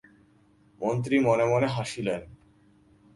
মন্ত্রী মনে মনে হাসিলেন।